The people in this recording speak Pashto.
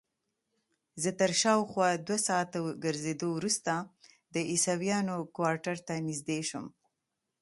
زه تر شاوخوا دوه ساعته ګرځېدو وروسته د عیسویانو کوارټر ته نږدې شوم.